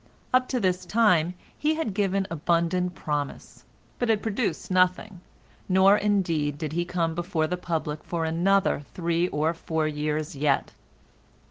Up to this time he had given abundant promise, but had produced nothing, nor indeed did he come before the public for another three or four years yet.